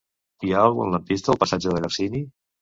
Hi ha algun lampista al passatge de Garcini?